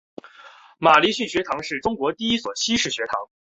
马礼逊学堂是中国第一所西式学堂。